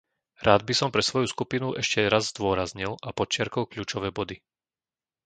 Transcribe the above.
Rád by som pre svoju skupinu ešte raz zdôraznil a podčiarkol kľúčové body.